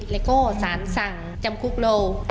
เลโก้สารสั่งจำคุกเรา